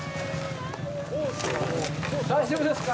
大丈夫ですか？